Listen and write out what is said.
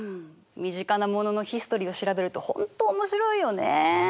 身近なもののヒストリーを調べると本当面白いよね。